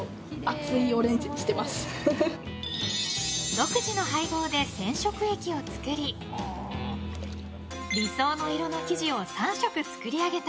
独自の配合で染色液を作り理想の色の生地を３色作り上げた。